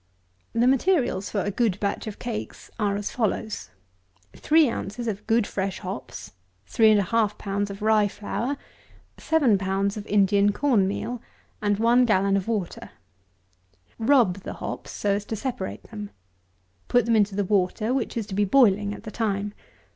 205. The materials for a good batch of cakes are as follows: 3 ounces of good fresh Hops; 3 1/2 pounds of Rye Flour; 7 pounds of Indian Corn Meal; and one Gallon of Water. Rub the hops, so as to separate them. Put them into the water, which is to be boiling at the time.